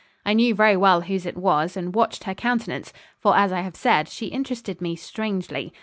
I knew very well whose it was, and watched her countenance; for, as I have said, she interested me strangely.